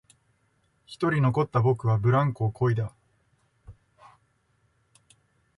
一人残った僕はブランコをこいだ